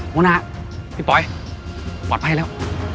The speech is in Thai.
มรุณาพี่ปลอยปลอดภัยแล้ว